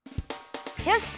よし！